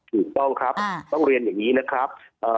ถูกต้องครับต้องเรียนอย่างนี้นะครับ